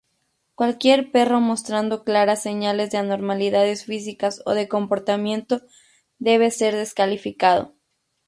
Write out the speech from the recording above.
Cualquier perro mostrando claras señales de anormalidades físicas o de comportamiento debe ser descalificado.